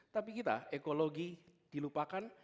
tapi kita ekologi dilupakan